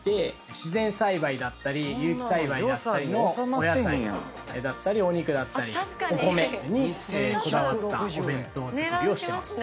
自然栽培だったり有機栽培だったりのお野菜だったりお肉だったりお米にこだわったお弁当作りをしてます。